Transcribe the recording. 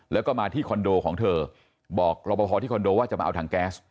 แล้วก็มาที่คอนโดของเธอบอกรบพอที่คอนโดว่าจะมาเอาถังแก๊ส